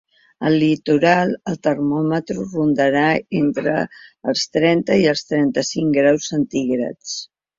Al litoral, el termòmetre rondarà entre els trenta i els trenta-cinc graus centígrads.